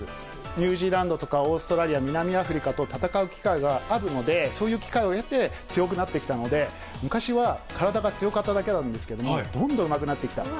ニュージーランドとか、オーストラリア、南アフリカと戦う機会があるので、そういう機会を得て、強くなってきたので、昔は体が強かっただけなんですけれども、どんどんうまくなってきた。